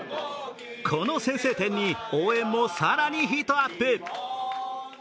この先制点に応援も更にヒートアップ。